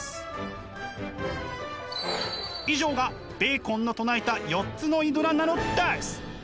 以上がベーコンの唱えた４つのイドラなのです！